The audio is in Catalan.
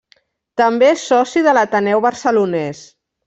També és soci de l'Ateneu Barcelonès.